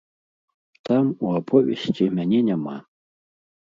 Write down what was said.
Там, у аповесці, мяне няма.